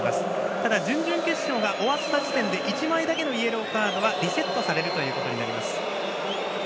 ただ準々決勝が終わった時点で１枚だけのイエローカードはリセットされることになります。